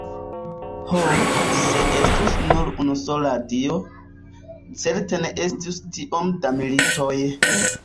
Ho, se estus nur unusola Dio, certe ne estus tiom da militoj.